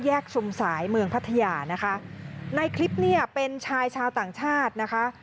ชุมสายเมืองพัทยานะคะในคลิปเนี่ยเป็นชายชาวต่างชาตินะคะ